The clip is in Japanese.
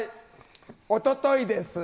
おとといです。